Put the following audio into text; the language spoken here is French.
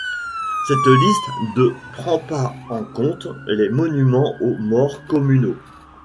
Cette liste de prend pas en compte les monuments aux morts communaux.